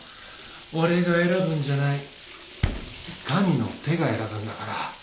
俺が選ぶんじゃない神の手が選ぶんだから。